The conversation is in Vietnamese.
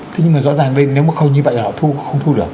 thế nhưng mà rõ ràng bên nếu mà không như vậy là họ thu không thu được